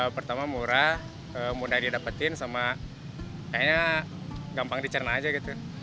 pertama murah mudah didapetin sama kayaknya gampang dicerna aja gitu